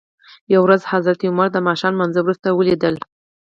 یوه ورځ حضرت عمر دماښام لمانځه وروسته ولید ل.